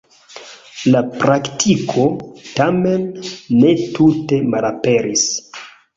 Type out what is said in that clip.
La praktiko, tamen, ne tute malaperis.